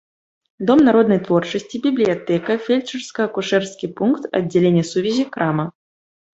Дом народнай творчасці, бібліятэка, фельчарска-акушэрскі пункт, аддзяленне сувязі, крама.